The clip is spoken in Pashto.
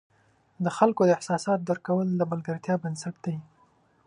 د خلکو د احساساتو درک کول د ملګرتیا بنسټ دی.